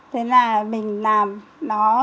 thế là mình làm nó